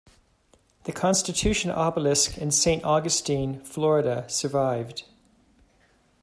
The Constitution Obelisk in Saint Augustine, Florida survived.